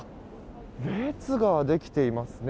列ができていますね。